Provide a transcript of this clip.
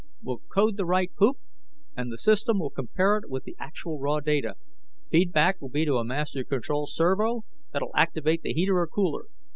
We'll code the right poop, and the system will compare it with the actual raw data. Feedback will be to a master control servo that'll activate the heater or cooler.